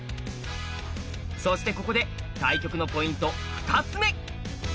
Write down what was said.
そしてここで対局のポイント２つ目！